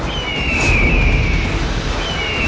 jangan berani kurang ajar padaku